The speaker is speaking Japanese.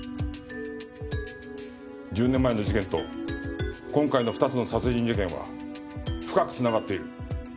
１０年前の事件と今回の２つの殺人事件は深く繋がっている。